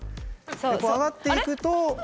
上がっていくとこれが。